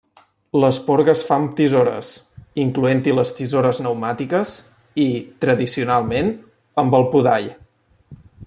L'esporga es fa amb tisores --incloent-hi les tisores pneumàtiques-- i, tradicionalment, amb el podall.